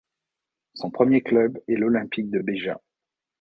Son premier club est l'Olympique de Béja.